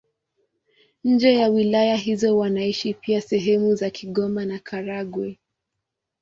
Nje na wilaya hizo wanaishi pia sehemu za Kigoma na Karagwe.